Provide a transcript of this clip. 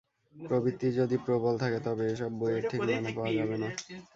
প্রবৃত্তি যদি প্রবল থাকে তবে এ-সব বইয়ের ঠিক মানে পাওয়া যাবে না।